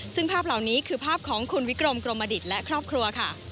ซึ่งภาพเหล่านี้คือภาพของคุณวิกรมกรมดิตและครอบครัวค่ะ